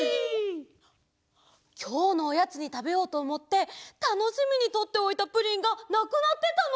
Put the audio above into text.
きょうのおやつにたべようとおもってたのしみにとっておいたプリンがなくなってたの！